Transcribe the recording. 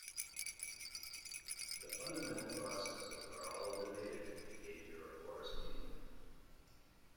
The fundamental processes are all related to the behaviour of porous media.